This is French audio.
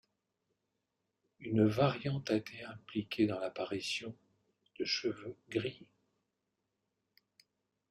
Une variante a été impliquée dans l'apparition de cheveux gris.